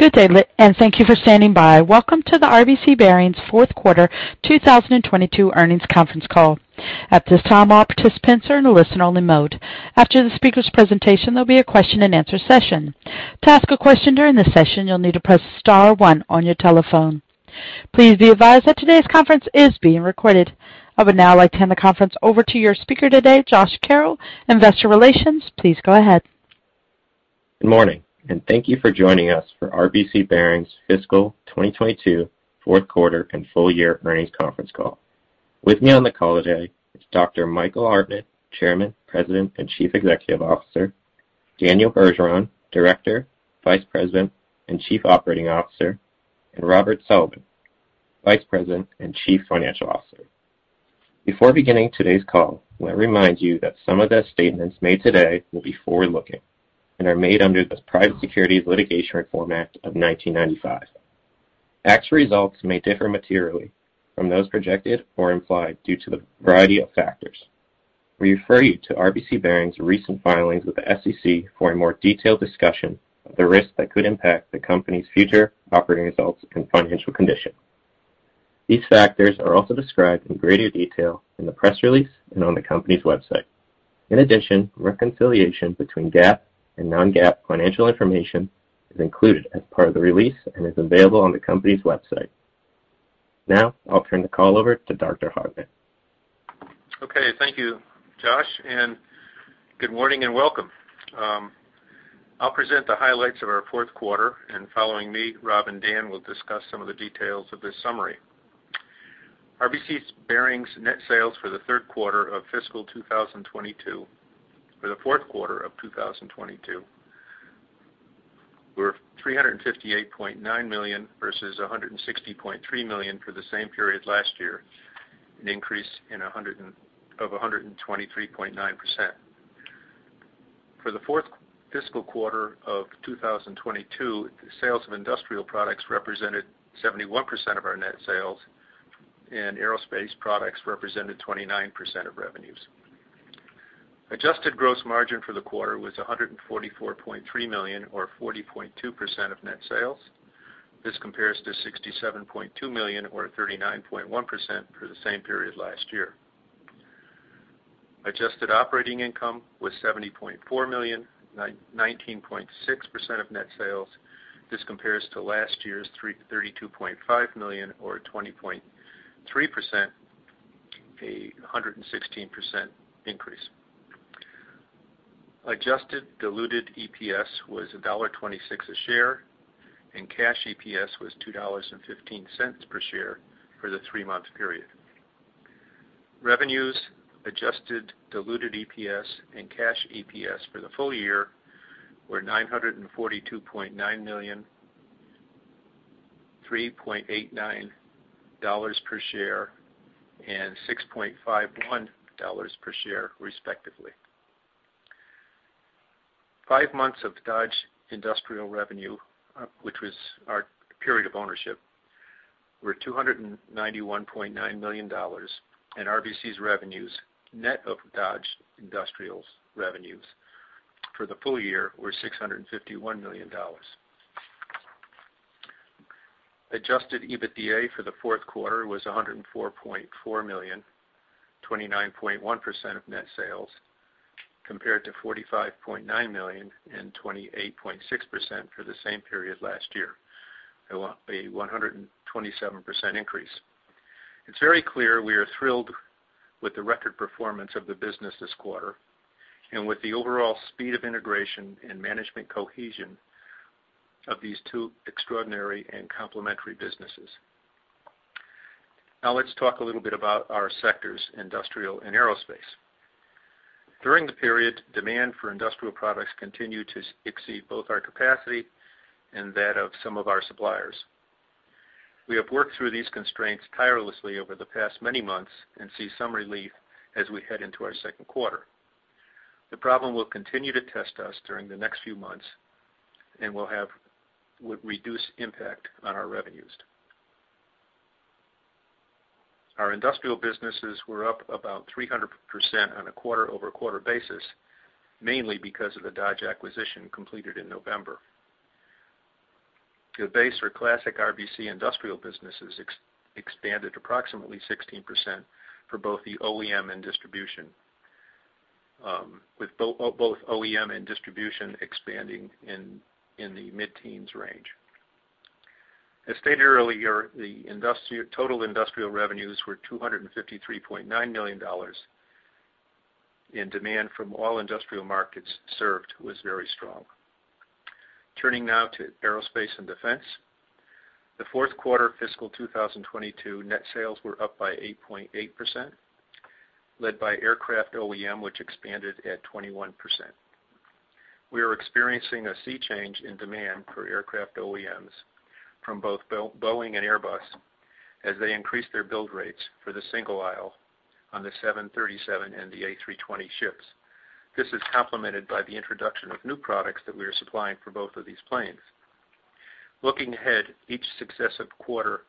Good day, and thank you for standing by. Welcome to the RBC Bearings’ Fourth Quarter 2022 Earnings Conference Call. At this time, all participants are in a listen-only mode. After the speaker's presentation, there'll be a question-and-answer session. To ask a question during the session, you'll need to press star one, on your telephone. Please be advised that today's conference is being recorded. I would now like to hand the conference over to your speaker today, Josh Carroll, Investor Relations. Please go ahead. Good morning, and thank you for joining us for RBC Bearings’ Fiscal 2022 Fourth Quarter and Full Year Earnings Conference Call. With me on the call today is Dr. Michael Hartnett, Chairman, President, and Chief Executive Officer, Daniel Bergeron, Director, Vice President and Chief Operating Officer, and Robert Sullivan, Vice President and Chief Financial Officer. Before beginning today's call, let me remind you that some of the statements made today will be forward-looking and are made under the Private Securities Litigation Reform Act of 1995. Actual results may differ materially from those projected or implied due to the variety of factors. We refer you to RBC Bearings' recent filings with the SEC for a more detailed discussion of the risks that could impact the company's future operating results and financial condition. These factors are also described in greater detail in the press release and on the company's website. In addition, reconciliation between GAAP and non-GAAP financial information is included as part of the release and is available on the company's website. Now I'll turn the call over to Dr. Hartnett. Okay. Thank you, Josh, and good morning and welcome. I'll present the highlights of our fourth quarter, and following me, Rob and Dan will discuss some of the details of this summary. RBC Bearings' net sales for the fourth quarter of fiscal 2022 were $358.9 million versus $160.3 million for the same period last year, an increase of 123.9%. For the fourth fiscal quarter of 2022, sales of industrial products represented 71% of our net sales, and aerospace products represented 29% of revenues. Adjusted gross margin for the quarter was $144.3 million or 40.2% of net sales. This compares to $67.2 million or 39.1% for the same period last year. Adjusted operating income was $70.4 million, 19.6% of net sales. This compares to last year's $32.5 million or 20.3%, a 116% increase. Adjusted diluted EPS was $1.26 a share, and cash EPS was $2.15 per share for the three-month period. Revenues adjusted diluted EPS and cash EPS for the full year were $942.9 million, $3.89 per share, and $6.51 per share, respectively. Five months of Dodge Industrial revenue, which was our period of ownership, were $291.9 million, and RBC's revenues, net of Dodge Industrial's revenues for the full year, were $651 million. Adjusted EBITDA for the fourth quarter was $104.4 million, 29.1% of net sales, compared to $45.9 million and 28.6% for the same period last year, a 127% increase. It's very clear we are thrilled with the record performance of the business this quarter and with the overall speed of integration and management cohesion of these two extraordinary and complementary businesses. Now, let's talk a little bit about our sectors, industrial and aerospace. During the period, demand for industrial products continued to exceed both our capacity and that of some of our suppliers. We have worked through these constraints tirelessly over the past many months and see some relief as we head into our second quarter. The problem will continue to test us during the next few months and will with reduced impact on our revenues. Our industrial businesses were up about 300% on a quarter-over-quarter basis, mainly because of the Dodge acquisition completed in November. The base or classic RBC industrial businesses expanded approximately 16% for both the OEM and distribution, with both OEM and distribution expanding in the mid-teens range. As stated earlier, the total industrial revenues were $253.9 million, and demand from all industrial markets served was very strong. Turning now to aerospace and defense. The fourth quarter of fiscal 2022 net sales were up by 8.8%, led by aircraft OEM, which expanded at 21%. We are experiencing a sea change in demand for aircraft OEMs from both Boeing and Airbus as they increase their build rates for the single aisle on the 737 and the A320 ships. This is complemented by the introduction of new products that we are supplying for both of these planes. Looking ahead, each successive quarter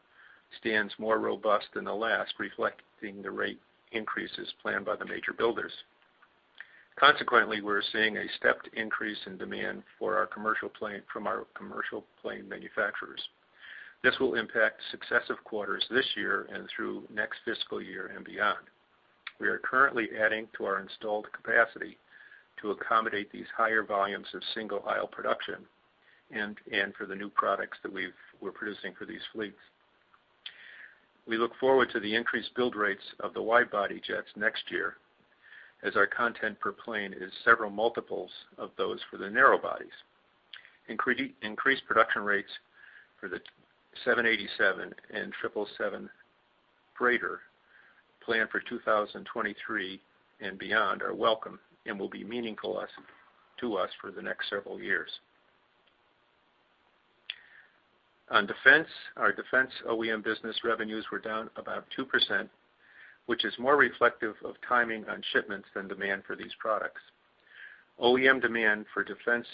stands more robust than the last, reflecting the rate increases planned by the major builders. Consequently, we're seeing a stepped increase in demand for our commercial plane from our commercial plane manufacturers. This will impact successive quarters this year and through next fiscal year and beyond. We are currently adding to our installed capacity to accommodate these higher volumes of single aisle production and for the new products that we're producing for these fleets. We look forward to the increased build rates of the wide-body jets next year, as our content per plane is several multiples of those, for the narrow bodies. Increased production rates for the 787 and 777, greater planned for 2023 and beyond are welcome and will be meaningful to us for the next several years. On defense, our defense OEM business revenues were down about 2%, which is more reflective of timing on shipments than demand for these products. OEM demand for defense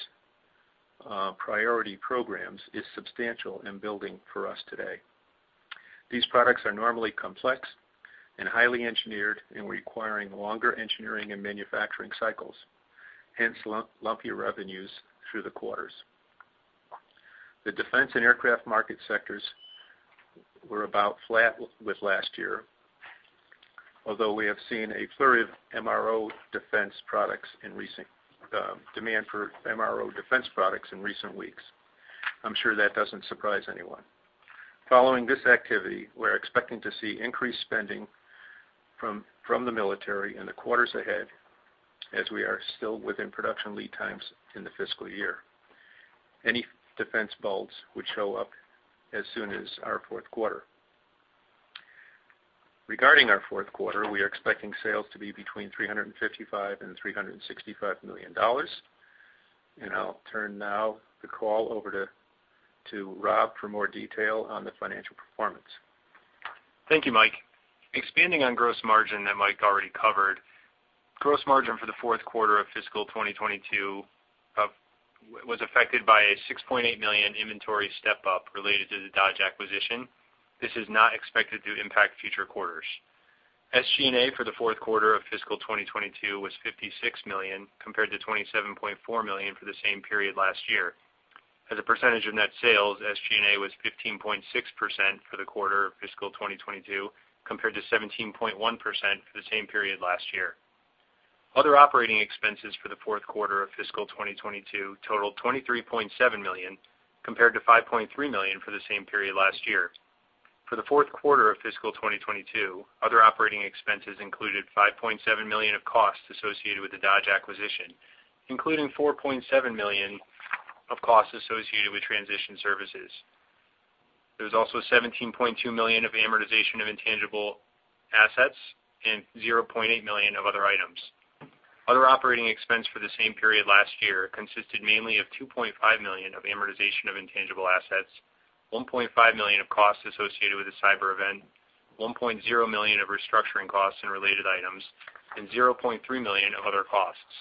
priority programs is substantial in building for us today. These products are normally complex and highly engineered and requiring longer engineering and manufacturing cycles, hence lumpier revenues through the quarters. The defense and aircraft market sectors were about flat with last year, although we have seen a flurry of demand for MRO defense products in recent weeks. I'm sure that doesn't surprise anyone. Following this activity, we're expecting to see increased spending from the military in the quarters ahead as we are still within production lead times in the fiscal year. Any defense bolts would show up as soon as our fourth quarter. Regarding our fourth quarter, we are expecting sales to be between $355 million and $365 million. I'll now turn the call over to Rob for more detail on the financial performance. Thank you, Mike. Expanding on gross margin that Mike already covered, gross margin for the fourth quarter of fiscal 2022 was affected by a $6.8 million inventory step-up related to the Dodge acquisition. This is not expected to impact future quarters. SG&A for the fourth quarter of fiscal 2022 was $56 million, compared to $27.4 million for the same period last year. As a percentage of net sales, SG&A was 15.6% for the quarter of fiscal 2022, compared to 17.1% for the same period last year. Other operating expenses for the fourth quarter of fiscal 2022 totaled $23.7 million, compared to $5.3 million for the same period last year. For the fourth quarter of fiscal 2022, other operating expenses included $5.7 million of costs associated with the Dodge acquisition, including $4.7 million of costs associated with transition services. There's also $17.2 million of amortization of intangible assets and $800,000 of other items. Other operating expense for the same period last year consisted mainly of $2.5 million of amortization of intangible assets, $1.5 million of costs associated with the cyber event, $1.0 million of restructuring costs and related items, and $300,000 of other costs.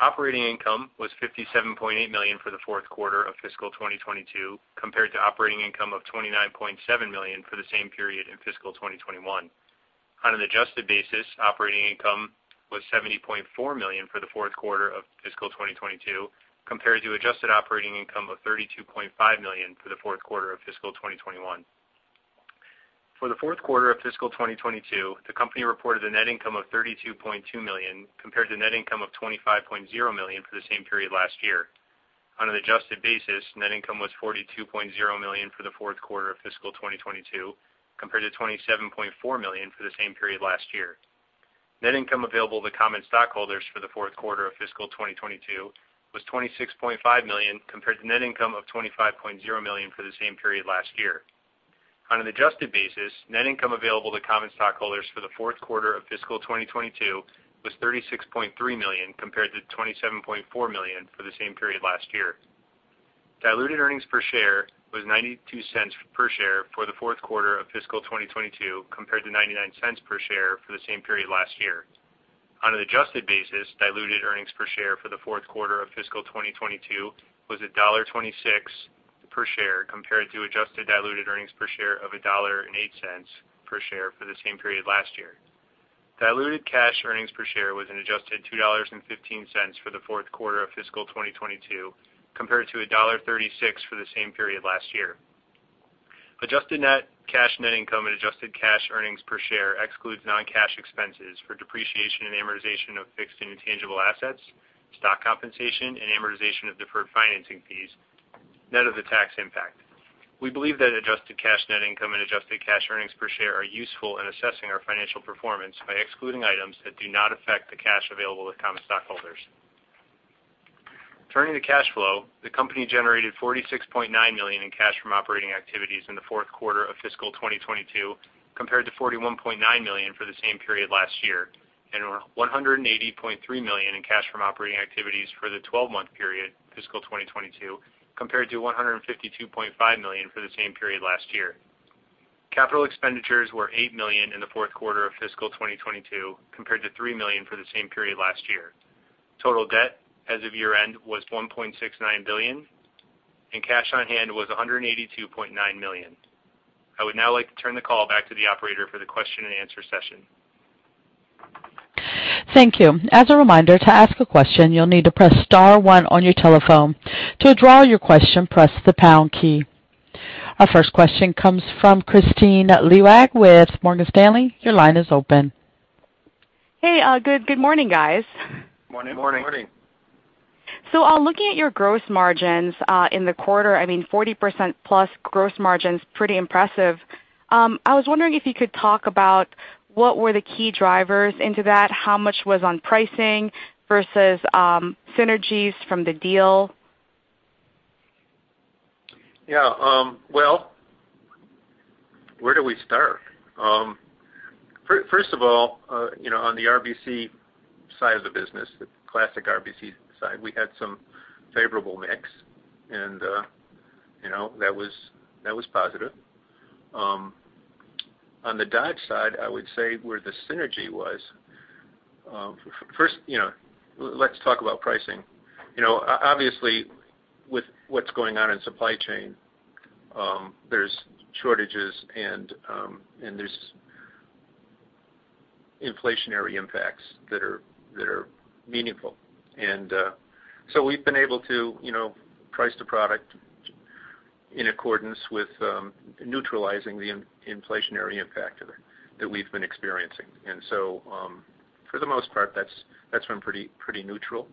Operating income was $57.8 million for the fourth quarter of fiscal 2022, compared to operating income of $29.7 million for the same period in fiscal 2021. On an adjusted basis, operating income was $70.4 million for the fourth quarter of fiscal 2022, compared to adjusted operating income of $32.5 million for the fourth quarter of fiscal 2021. For the fourth quarter of fiscal 2022, the company reported a net income of $32.2 million, compared to net income of $25.0 million for the same period last year. On an adjusted basis, net income was $42.0 million for the fourth quarter of fiscal 2022, compared to $27.4 million for the same period last year. Net income available to common stockholders for the fourth quarter of fiscal 2022 was $26.5 million, compared to net income of $25.0 million for the same period last year. On an adjusted basis, net income available to common stockholders for the fourth quarter of fiscal 2022 was $36.3 million, compared to $27.4 million for the same period last year. Diluted earnings per share was $0.92 per share for the fourth quarter of fiscal 2022, compared to $0.99 per share for the same period last year. On an adjusted basis, diluted earnings per share for the fourth quarter of fiscal 2022 was $1.26 per share, compared to adjusted diluted earnings per share of $1.08 per share for the same period last year. Diluted cash earnings per share was an adjusted $2.15 for the fourth quarter of fiscal 2022, compared to $1.36 for the same period last year. Adjusted net cash net income and adjusted cash earnings per share excludes non-cash expenses for depreciation and amortization of fixed and intangible assets, stock compensation, and amortization of deferred financing fees, net of the tax impact. We believe that adjusted cash net income and adjusted cash earnings per share are useful in assessing our financial performance by excluding items that do not affect the cash available to common stockholders. Turning to cash flow, the company generated $46.9 million in cash from operating activities in the fourth quarter of fiscal 2022, compared to $41.9 million for the same period last year, and $180.3 million in cash from operating activities for the 12-month period fiscal 2022, compared to $152.5 million for the same period last year. Capital expenditures were $8 million in the fourth quarter of fiscal 2022 compared to $3 million for the same period last year. Total debt as of year-end was $1.69 billion, and cash on hand was $182.9 million. I would now like to turn the call back to the operator for the question and answer session. Thank you. As a reminder, to ask a question, you'll need to press star one on your telephone. To withdraw your question, press the pound key. Our first question comes from Kristine Liwag with Morgan Stanley. Your line is open. Hey, good morning, guys. Morning. Morning. Morning. Looking at your gross margins in the quarter, I mean, 40%+ gross margin's pretty impressive. I was wondering if you could talk about what were the key drivers into that? How much was on pricing versus synergies from the deal? Yeah. Well, where do we start? First of all, on the RBC side of the business, the classic RBC side, we had some favorable mix, and that was positive. On the Dodge side, I would say where the synergy was, first, let's talk about pricing. Obviously, with what's going on in supply chain, there's shortages and there's inflationary impacts that are meaningful. So we've been able to price the product in accordance with, neutralizing the inflationary impact of it that we've been experiencing. For the most part, that's been pretty neutral.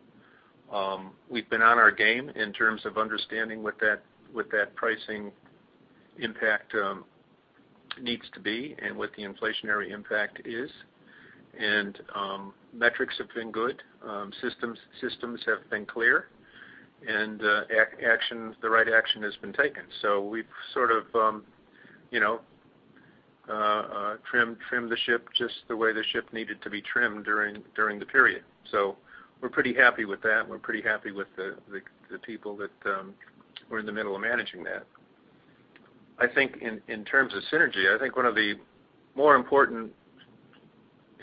We've been on our game in terms of understanding what that pricing impact needs to be and what the inflationary impact is. Metrics have been good. Systems have been clear. Actions, the right action has been taken. We've trimmed the ship just the way the ship needed to be trimmed during the period. We're pretty happy with that, and we're pretty happy with the people that were in the middle of managing that. I think in terms of synergy, I think one of the more important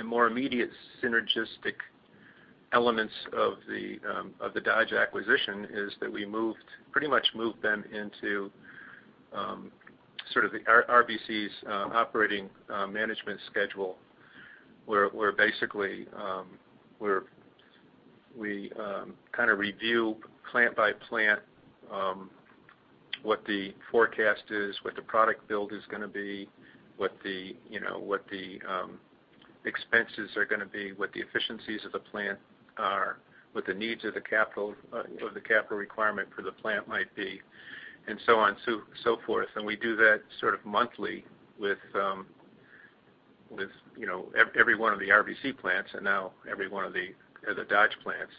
and more immediate synergistic elements of the Dodge acquisition is that we pretty much moved them into sort of the RBC's operating management schedule, where basically, we kind of review plant by plant what the forecast is, what the product build is gonna be, what the expenses are gonna be, what the efficiencies of the plant are, what the needs of the capital or the capital requirement for the plant might be, and so on, so forth. We do that sort of monthly with, you know, every one of the RBC plants and now every one of the Dodge plants.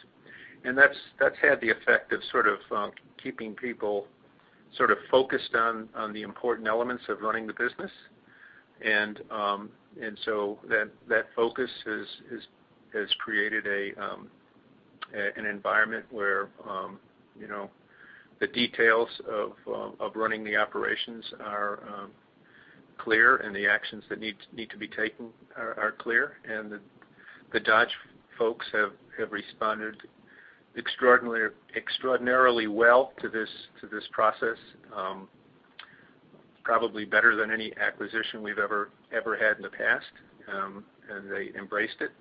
That's had the effect of sort of keeping people sort of focused on the important elements of running the business. That focus has created an environment the details of running the operations are clear and the actions that need to be taken are clear. The Dodge folks have responded extraordinarily well to this process, probably better than any acquisition we've ever had in the past. They embraced it.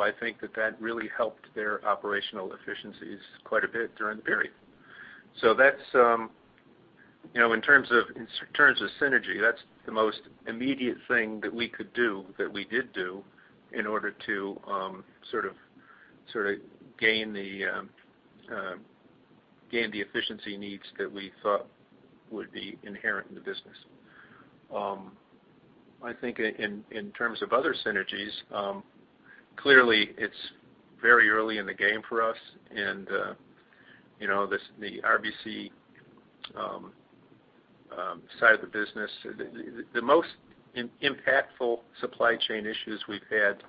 I think that really helped their operational efficiencies quite a bit during the period. That's, in terms of synergy, that's the most immediate thing that we could do, that we did do in order to sort of gain the efficiency needs that we thought would be inherent in the business. I think in terms of other synergies, clearly, it's very early in the game for us and the RBC side of the business, the most impactful supply chain issues we've had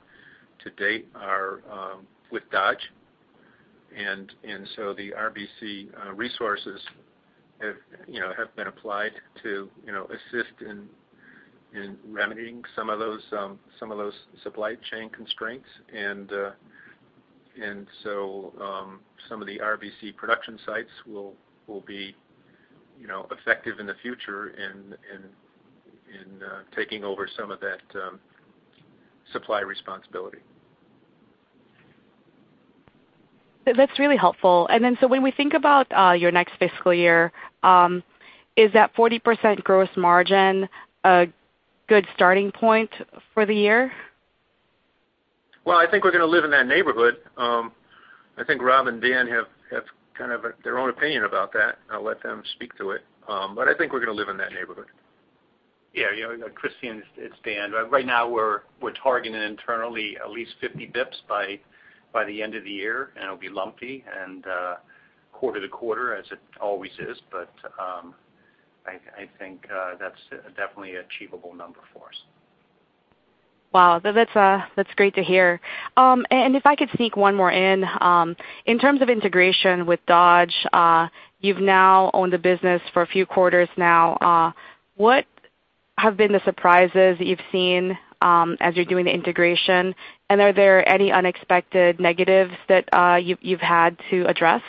to date are with Dodge. The RBC resources have been applied to assist in remedying some of those supply chain constraints. Some of the RBC production sites will be effective in the future in taking over some of that supply responsibility. That's really helpful. When we think about your next fiscal year, is that 40% gross margin a good starting point for the year? Well, I think we're gonna live in that neighborhood. I think Rob and Dan have kind of their own opinion about that. I'll let them speak to it. I think we're gonna live in that neighborhood. You know, Kristine, it's Dan. Right now we're targeting internally at least 50 basis points by the end of the year, and it'll be lumpy and quarter-to-quarter, as it always is. I think that's definitely achievable number for us. Wow. That's great to hear. If I could sneak one more in. In terms of integration with Dodge, you've now owned the business for a few quarters now, what have been the surprises that you've seen as you're doing the integration? Are there any unexpected negatives that you've had to address?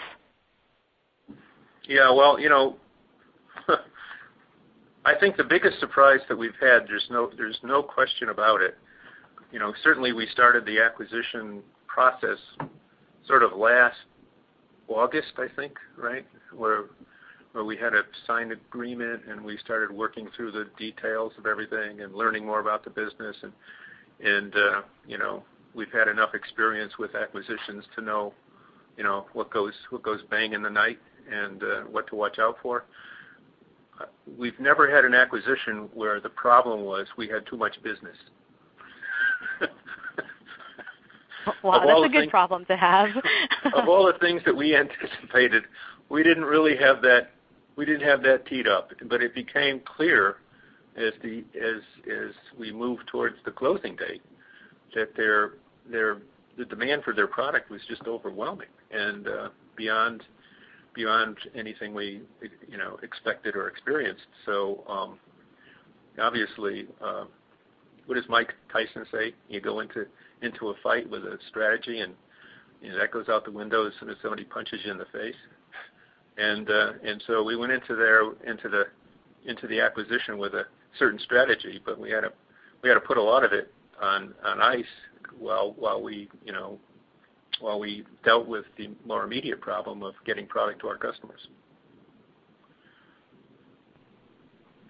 Yeah, well, I think the biggest surprise that we've had. There's no question about it. Certainly, we started the acquisition process sort of last August, I think, right? Where we had a signed agreement, and we started working through the details of everything and learning more about the business and we've had enough experience with acquisitions to know what goes bang in the night and what to watch out for. We've never had an acquisition where the problem was we had too much business. Well, that's a good problem to have. Of all the things that we anticipated, we didn't really have that. We didn't have that teed up, but it became clear as we moved towards the closing date, that the demand for their product was just overwhelming and beyond anything we expected or experienced. Obviously, what does Mike Tyson say? You go into a fight with a strategy and that goes out the window as soon as somebody punches you in the face. We went into the acquisition with a certain strategy, but we had to put a lot of it on ice while we dealt with the more immediate problem of getting product to our customers.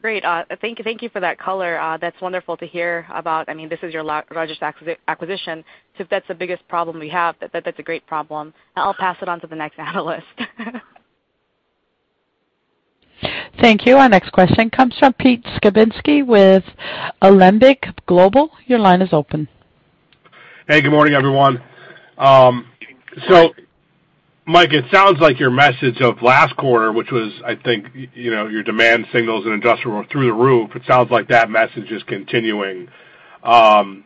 Great. Thank you for that color. That's wonderful to hear about. I mean, this is your largest acquisition. So if that's the biggest problem we have, that's a great problem. I'll pass it on to the next analyst. Thank you. Our next question comes from Pete Skibitski with Alembic Global. Your line is open. Hey, good morning, everyone. Mike, it sounds like your message of last quarter, which was, I think your demand signals and industrial were through the roof. It sounds like that message is continuing. Some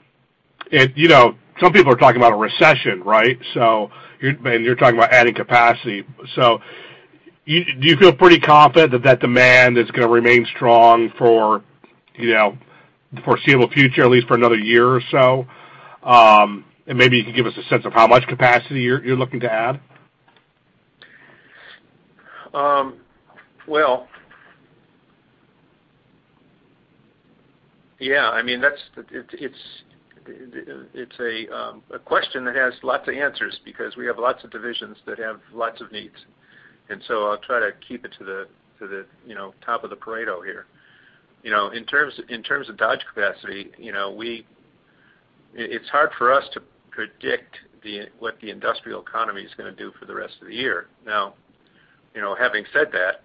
people are talking about a recession, right? You're talking about adding capacity. Do you feel pretty confident that that demand is gonna remain strong for the foreseeable future, at least for another year or so? Maybe you can give us a sense of how much capacity you're looking to add. It's a question that has lots of answers because we have lots of divisions that have lots of needs. I'll try to keep it to the top of the Pareto here. In terms of Dodge capacity, it's hard for us to predict what the industrial economy is gonna do for the rest of the year. Now, having said that,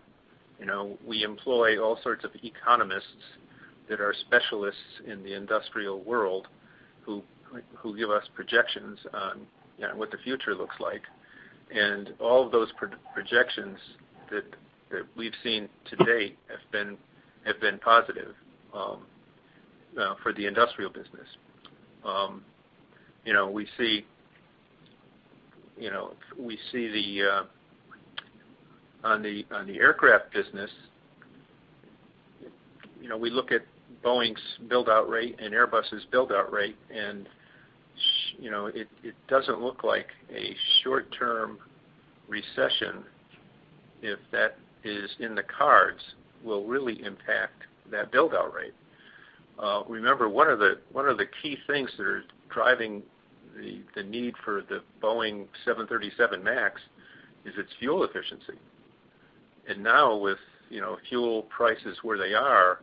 we employ all sorts of economists that are specialists in the industrial world who give us projections on what the future looks like. All of those projections that we've seen to date have been positive for the industrial business. You know, we see the. On the aircraft business, we look at Boeing's build-out rate and Airbus's build-out rate, and it doesn't look like a short-term recession, if that is in the cards, will really impact that build-out rate. Remember, one of the key things that are driving the need for the Boeing 737 MAX is its fuel efficiency. Now with fuel prices where they are,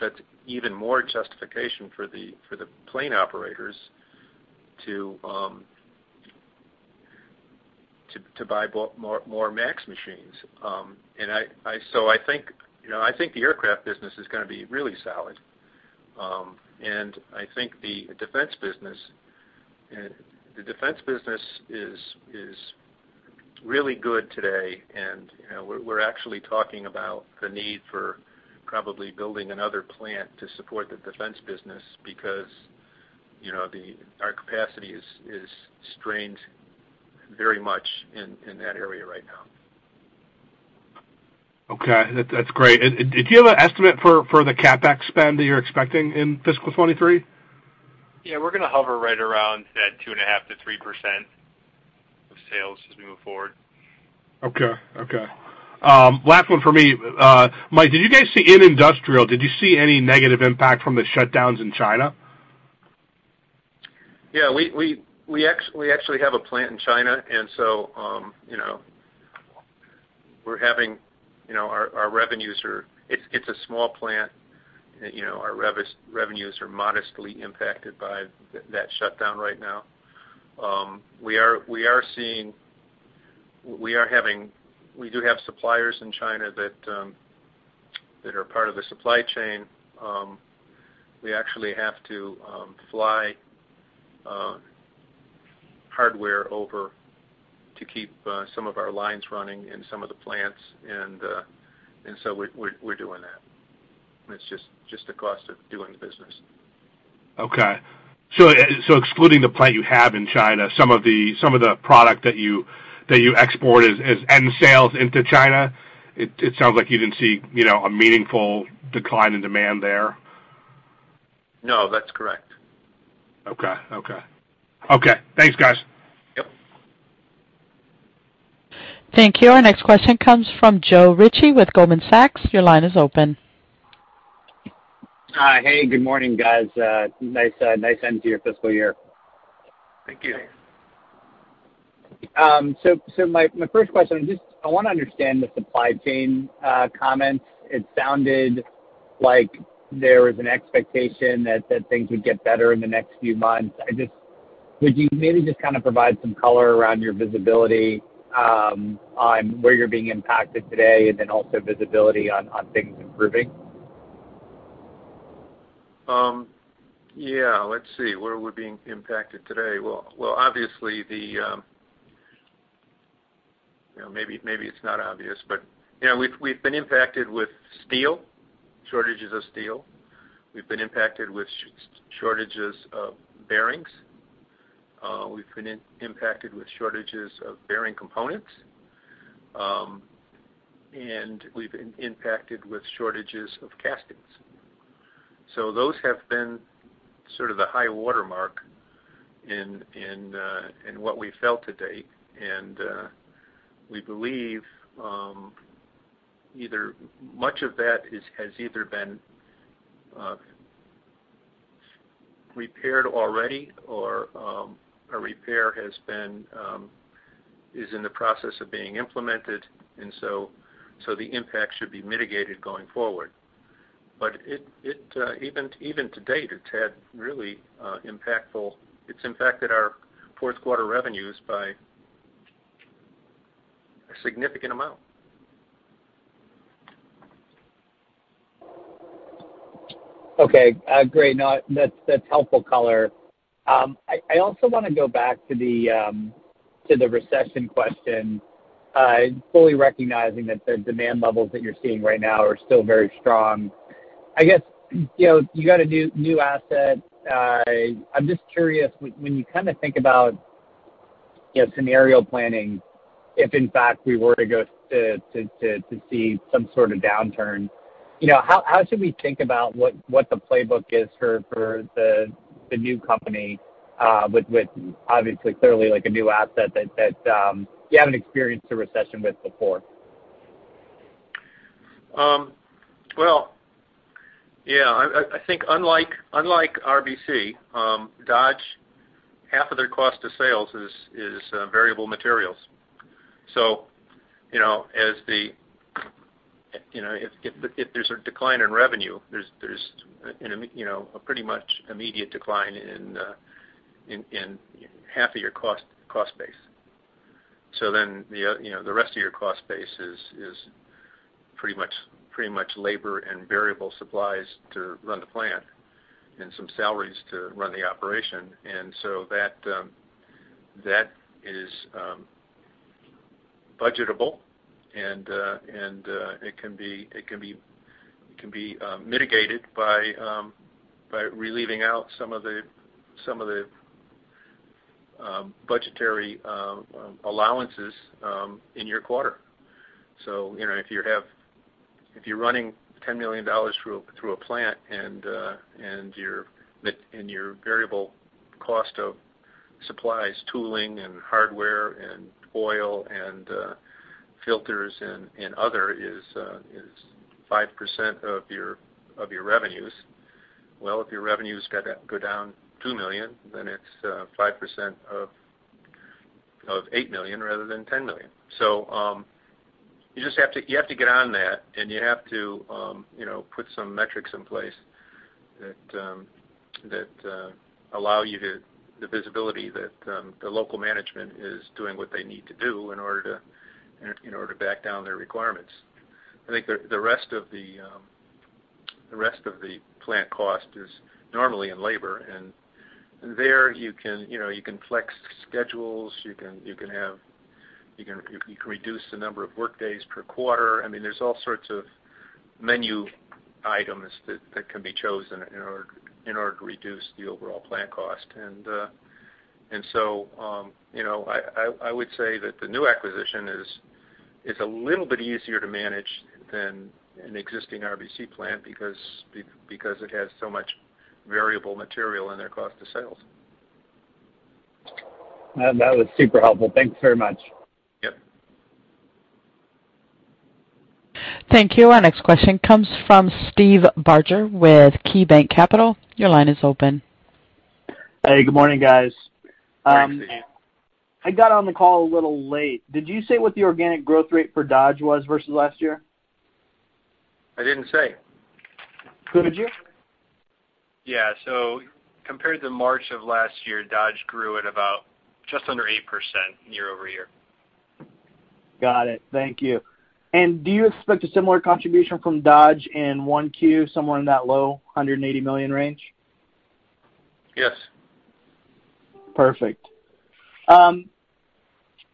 that's even more justification for the plane operators to buy more MAX machines. So I think the aircraft business is gonna be really solid. I think the defense business is really good today. You know, we're actually talking about the need for probably building another plant to support the defense business because our capacity is strained very much in that area right now. Okay. That's great. Do you have an estimate for the CapEx spend that you're expecting in fiscal 2023? Yeah, we're gonna hover right around that 2.5%-3% of sales as we move forward. Okay. Last one for me. Mike, did you see any negative impact from the shutdowns in China? Yeah, we actually have a plant in China, and so we're having, our revenues are—it’s a small plant—our revenues are modestly impacted by that shutdown right now. We do have suppliers in China that are part of the supply chain. We actually have to fly hardware over to keep some of our lines running in some of the plants and so we're doing that. It's just the cost of doing business. Okay. Excluding the plant you have in China, some of the product that you export is ex sales into China. It sounds like you didn't see, you know, a meaningful decline in demand there. No, that's correct. Okay. Thanks, guys. Yep. Thank you. Our next question comes from Joe Ritchie with Goldman Sachs. Your line is open. Hey, good morning, guys. Nice end to your fiscal year. Thank you. My first question, just I wanna understand the supply chain comments. It sounded like there was an expectation that things would get better in the next few months. Would you maybe just kind of provide some color around your visibility on where you're being impacted today, and then also visibility on things improving? Yeah, let's see. Where we're being impacted today. Well, obviously, maybe it's not obvious, but yeah, we've been impacted with steel shortages of steel. We've been impacted with shortages of bearings. We've been impacted with shortages of bearing components, and we've been impacted with shortages of castings. Those have been sort of the high watermark in what we felt to date. We believe, either much of that has either been repaired already or a repair is in the process of being implemented. So the impact should be mitigated going forward. Even to date, it's had really impactful, it’s impacted our fourth quarter revenues by a significant amount. Okay. Great. No, that's helpful color. I also wanna go back to the recession question, fully recognizing that the demand levels that you're seeing right now are still very strong. I guess, you got a new asset. I'm just curious, when you kinda think about scenario planning, if in fact we were to see some sort of downturn, how should we think about what the playbook is for the new company, with obviously, clearly, like a new asset that you haven't experienced a recession with before? Well, yeah, I think unlike RBC, Dodge, half of their cost of sales is variable materials. So, if there's a decline in revenue, there's a pretty much immediate decline in half of your cost base. So the rest of your cost base is pretty much labor and variable supplies to run the plant and some salaries to run the operation. That is budgetable and it can be mitigated by relieving some of the budgetary allowances in your quarter. If you're running $10 million through a plant and your fixed and variable cost of supplies, tooling, and hardware, and oil, and filters, and other is 5% of your revenues, well, if your revenues go down $2 million, then it's 5% of $8 million rather than $10 million. You just have to get on that, and you have to put some metrics in place that allow you to the visibility that the local management is doing what they need to do in order to back down their requirements. I think the rest of the plant cost is normally in labor. There, you can flex schedules. You can reduce the number of workdays per quarter. I mean, there's all sorts of menu items that can be chosen in order to reduce the overall plant cost. I would say that the new acquisition is a little bit easier to manage than an existing RBC plant because it has so much variable material in their cost of sales. That was super helpful. Thanks very much. Yep. Thank you. Our next question comes from Steve Barger with KeyBanc Capital. Your line is open. Hey, good morning, guys. Hi, Steve. I got on the call a little late. Did you say what the organic growth rate for Dodge was versus last year? I didn't say. Would you? Yeah. Compared to March of last year, Dodge grew at about just under 8% year-over-year. Got it. Thank you. Do you expect a similar contribution from Dodge in 1Q, somewhere in that low $180 million range? Yes. Perfect.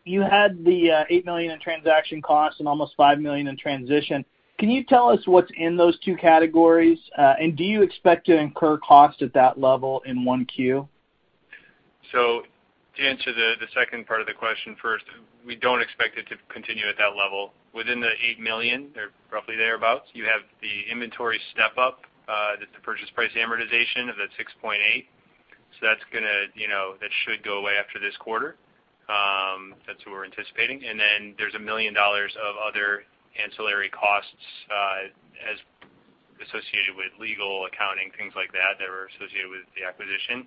You had the $8 million in transaction costs and almost $5 million in transition. Can you tell us what's in those two categories? Do you expect to incur costs at that level in 1Q? To answer the second part of the question first, we don't expect it to continue at that level. Within the $8 million or roughly thereabouts, you have the inventory step up, that's the purchase price amortization of that $6.8. That's gonna, that should go away after this quarter, that's what we're anticipating. Then there's $1 million of other ancillary costs associated with legal, accounting, things like that were associated with the acquisition.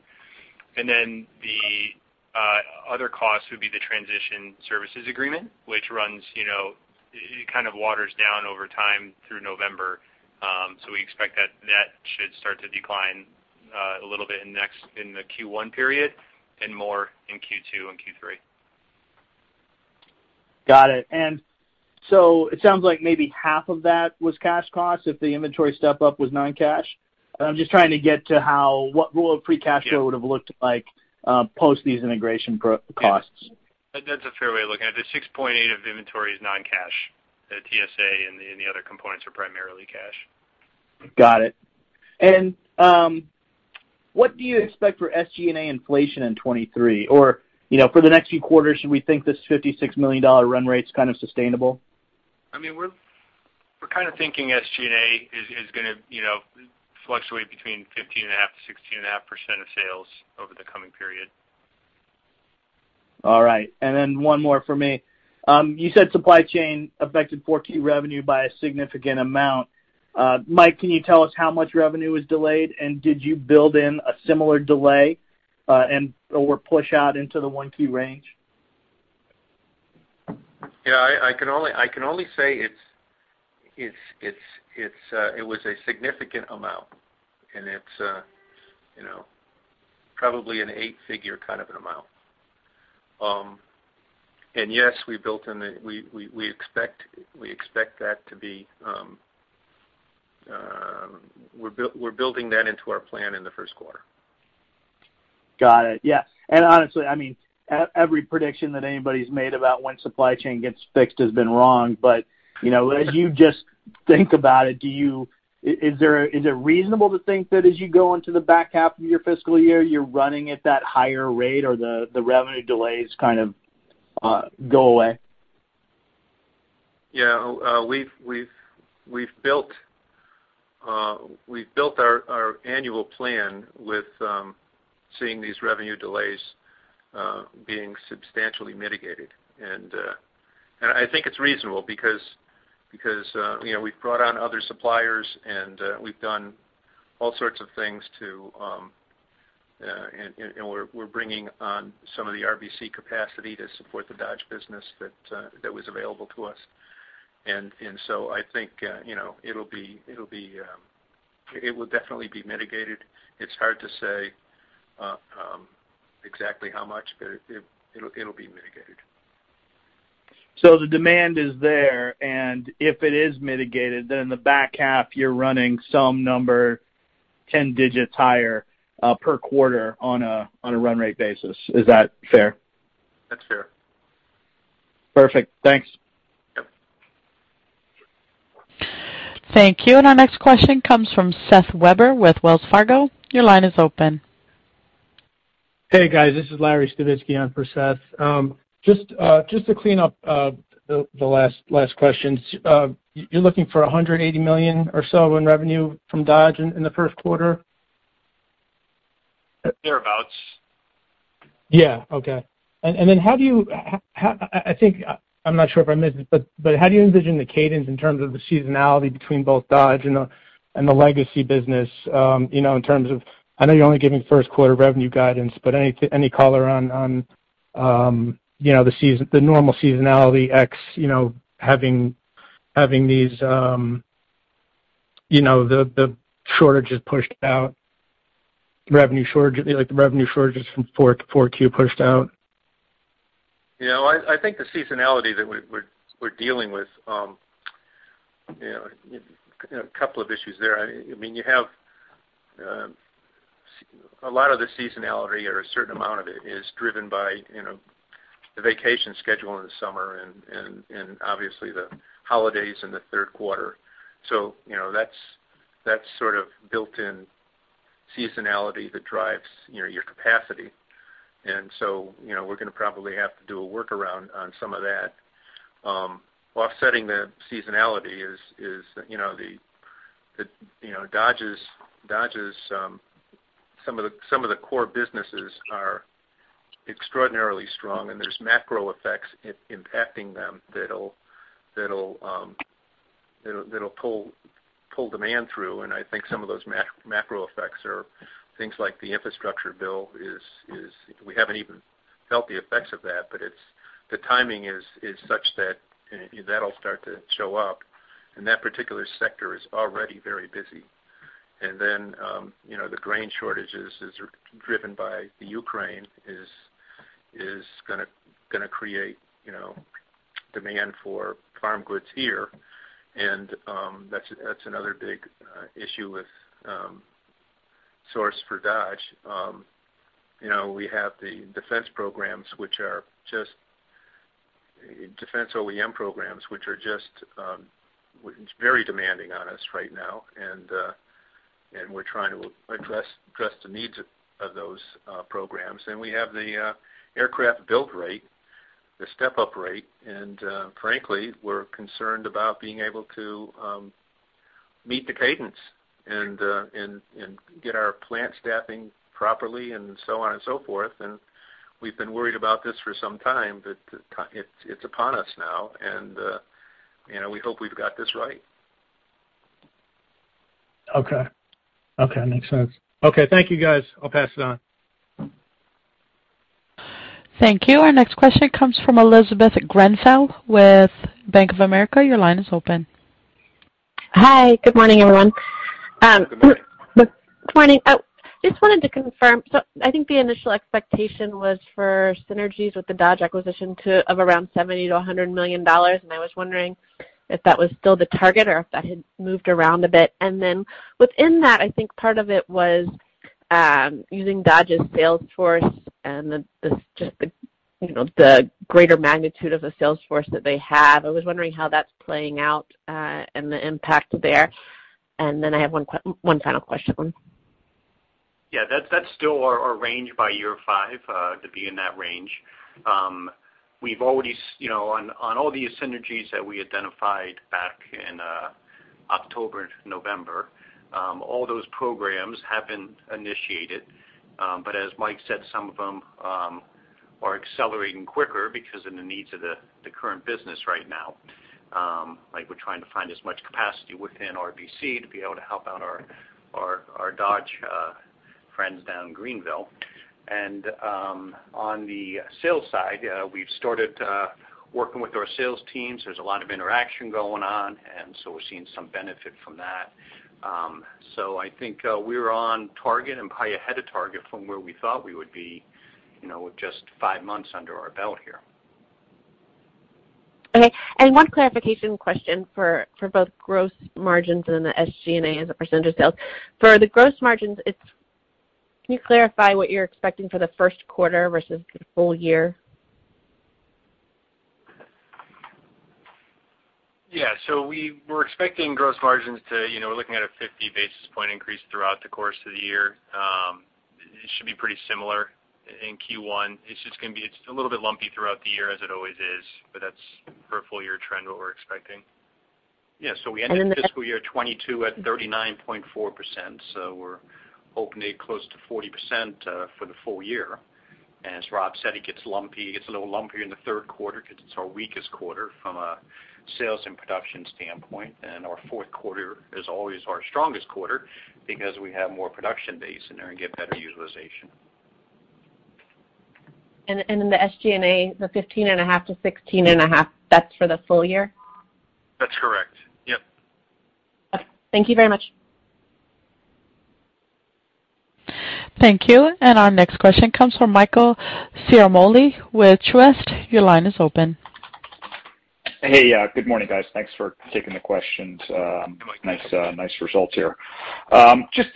Then the other costs would be the transition services agreement, which runs, it kind of winds down over time through November. We expect that that should start to decline a little bit in the Q1 period and more in Q2 and Q3. Got it. It sounds like maybe half of that was cash costs if the inventory step up was non-cash. I'm just trying to get to what free cash flow would have looked like post these integration pro-costs. That's a fair way of looking at it. The $6.8 of inventory is non-cash. The TSA and the other components are primarily cash. Got it. What do you expect for SG&A inflation in 2023? Or, for the next few quarters, should we think this $56 million run rate is kind of sustainable? I mean, we're kind of thinking SG&A is gonna fluctuate between 15.5%-16.5% of sales over the coming period. All right. Then one more for me. You said supply chain affected 4Q revenue by a significant amount. Mike, can you tell us how much revenue was delayed? Did you build in a similar delay, and/or push out into the 1Q range? Yeah, I can only say it was a significant amount, and it's probably an eight-figure kind of an amount. And yes, we expect that to be, we’re building that into our plan in the first quarter. Got it. Yeah. Honestly, I mean, every prediction that anybody's made about when supply chain gets fixed has been wrong. As you just think about it, is it reasonable to think that as you go into the back half of your fiscal year, you're running at that higher rate or the revenue delays kind of go away? Yeah. We've built our annual plan with seeing these revenue delays being substantially mitigated. I think it's reasonable because we've brought on other suppliers, and we've done all sorts of things, and we're bringing on some of the RBC capacity to support the Dodge business that was available to us. I think it'll definitely be mitigated. It's hard to say exactly how much, but it'll be mitigated. The demand is there, and if it is mitigated, then in the back half you're running some number 10 digits higher per quarter on a run rate basis. Is that fair? That's fair. Perfect. Thanks. Yep. Thank you. Our next question comes from Seth Weber with Wells Fargo. Your line is open. Hey, guys. This is Larry Stavitski on for Seth. Just to clean up the last question. You're looking for $180 million or so in revenue from Dodge in the first quarter? Thereabouts. I think I'm not sure if I missed it, but how do you envision the cadence in terms of the seasonality between both Dodge and the legacy business in terms of—I know you only gave me first quarter revenue guidance—but any color on the normal seasonality ex having these, the shortages pushed out, like the revenue shortages from Q4 to Q4 pushed out? You know, I think the seasonality that we're dealing with, a couple of issues there. I mean, you have a lot of the seasonality or a certain amount of it is driven by the vacation schedule in the summer and obviously the holidays in the third quarter. That's sort of built-in seasonality that drives, you know, your capacity. We're gonna probably have to do a workaround on some of that. Offsetting the seasonality is, Dodge's some, some of the core businesses are extraordinarily strong, and there's macro effects impacting them that'll pull demand through. I think some of those macro effects are things like the infrastructure bill, we haven't even felt the effects of that, but the timing is such that that'll start to show up, and that particular sector is already very busy. Then, the grain shortages driven by Ukraine is gonna create demand for farm goods here. That's another big issue with sourcing for Dodge. We have the defense OEM programs, which are just very demanding on us right now. We're trying to address the needs of those programs. We have the aircraft build rate, the step-up rate. Frankly, we're concerned about being able to meet the cadence and get our plant staffing properly and so on and so forth. You know, we hope we've got this right. Okay. Okay, makes sense. Okay, thank you, guys. I'll pass it on. Thank you. Our next question comes from Elizabeth Grenfell with Bank of America. Your line is open. Hi, Good morning, everyone. Good morning. Good morning. Just wanted to confirm. I think the initial expectation was for synergies with the Dodge acquisition of around $70 million-$100 million, and I was wondering if that was still the target or if that had moved around a bit. I think part of it was using Dodge's sales force and the just, the greater magnitude of the sales force that they have. I was wondering how that's playing out and the impact there. I have one final question. Yeah. That's still our range by year five to be in that range. We've already—on all the synergies that we identified back in October to November, all those programs have been initiated. As Mike said, some of them are accelerating quicker because of the needs of the current business right now. Like we're trying to find as much capacity within RBC to be able to help out our Dodge friends down in Greenville. On the sales side, we've started working with our sales teams. There's a lot of interaction going on, and so we're seeing some benefit from that. I think we're on target and probably ahead of target from where we thought we would be, you know, with just five months under our belt here. Okay. One clarification question for both gross margins and the SG&A as a percentage of sales. For the gross margins, can you clarify what you're expecting for the first quarter versus the full year? We were expecting gross margins to—we're looking at a 50 basis point increase throughout the course of the year. It should be pretty similar in Q1. It's just gonna be a little bit lumpy throughout the year as it always is, but that's for a full year trend what we're expecting. Yeah. We ended fiscal year 2022 at 39.4%, so we're opening close to 40% for the full year. As Rob said, it gets lumpy. It gets a little lumpier in the third quarter 'cause it's our weakest quarter from a sales and production standpoint. Our fourth quarter is always our strongest quarter because we have more production base in there and get better utilization. In the SG&A, the 15.5%-16.5%, that's for the full year? That's correct. Yep. Okay. Thank you very much. Thank you. Our next question comes from Michael Ciarmoli with Truist. Your line is open. Hey. Yeah, good morning, guys. Thanks for taking the questions. Good morning. Nice results here. Just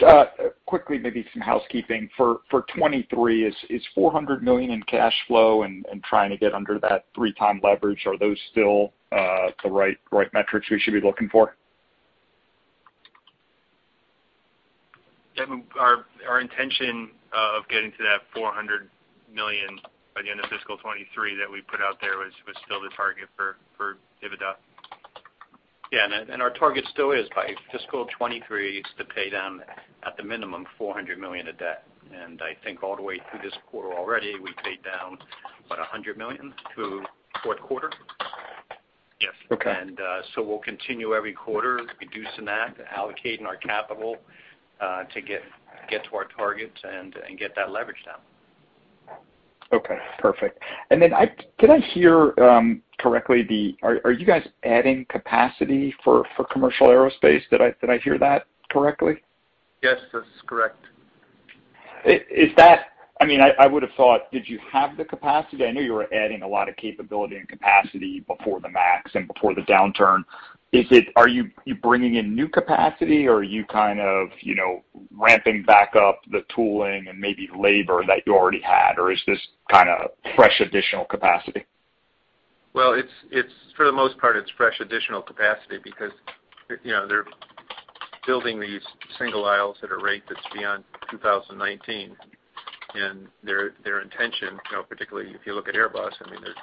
quickly, maybe some housekeeping. For 2023, is $400 million in cash flow and trying to get under that 3x leverage, are those still the right metrics we should be looking for? Yeah. Our intention of getting to that $400 million by the end of fiscal 2023 that we put out there was still the target for EBITDA. Our target still is by fiscal 2023 to pay down at the minimum $400 million of debt. I think all the way through this quarter already, we paid down about $100 million through fourth quarter. Yes. Okay. We'll continue every quarter reducing that, allocating our capital to get to our targets and get that leverage down. Okay. Perfect. Did I hear correctly? Are you guys adding capacity for commercial aerospace? Did I hear that correctly? Yes, that's correct. Is that I mean, I would have thought, did you have the capacity? I know you were adding a lot of capability and capacity before the MAX and before the downturn. Is it, are you bringing in new capacity or are you kind of ramping back up the tooling and maybe labor that you already had, or is this kinda fresh additional capacity? Well, it's for the most part fresh additional capacity because they're building these single aisles at a rate that's beyond 2019. Their intention, particularly if you look at Airbus, I mean, their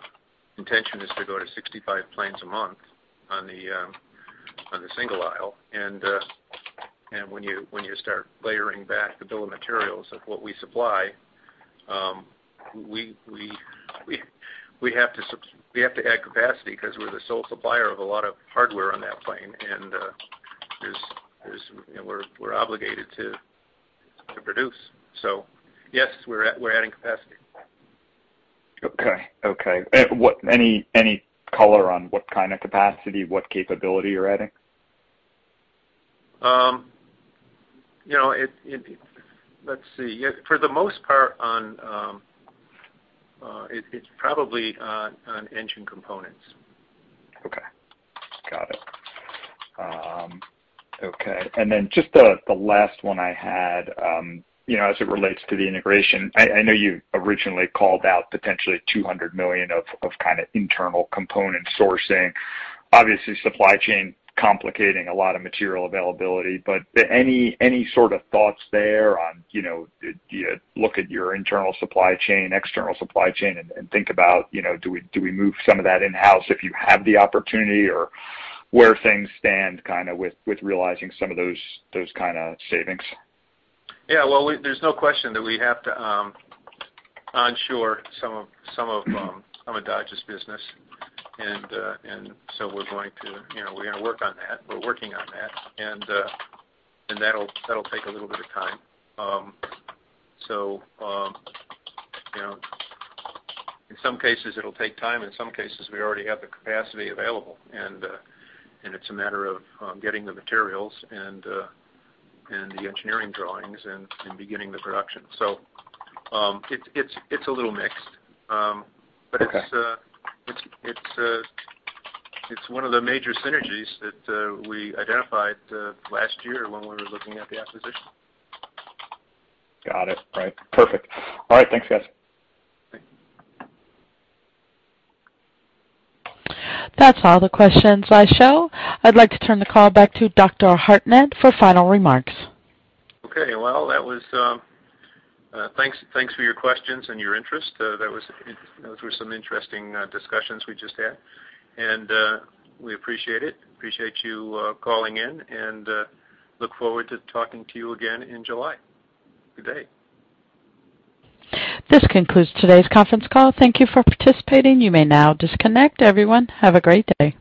intention is to go to 65 planes a month on the single aisle. When you start layering back the bill of materials of what we supply, we have to add capacity 'cause we're the sole supplier of a lot of hardware on that plane. We're obligated to produce. Yes, we're adding capacity. Any color on what kind of capacity, what capability you're adding? For the most part, it's probably on engine components. Okay. Got it. Okay. Then just the last one I had, as it relates to the integration, I know you originally called out potentially $200 million of kind of internal component sourcing. Obviously, supply chain complicating a lot of material availability, but any sort of thoughts there on, do you look at your internal supply chain, external supply chain and think about, do we move some of that in-house if you have the opportunity or where things stand kinda with realizing some of those kinda savings? Yeah. Well, there's no question that we have to onshore some of Dodge's business. We're going to, we're gonna work on that, we’re working on that. That'll take a little bit of time. In some cases it'll take time. In some cases, we already have the capacity available, and it's a matter of getting the materials and the engineering drawings and beginning the production. It's a little mixed. Okay. It's one of the major synergies that we identified last year when we were looking at the acquisition. Got it. Right. Perfect. All right. Thanks, guys. Thank you. That's all the questions I have. I'd like to turn the call back to Dr. Hartnett for final remarks. Okay. Well, that was thanks for your questions and your interest. Those were some interesting discussions we just had. We appreciate it, appreciate you calling in and look forward to talking to you again in July. Good day. This concludes today's conference call. Thank you for participating. You may now disconnect. Everyone, have a great day.